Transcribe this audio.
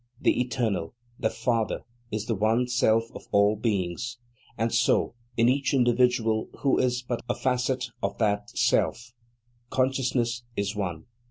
The Eternal, the Father, is the One Self of All Beings. And so, in each individual who is but a facet of that Self, Consciousness is One.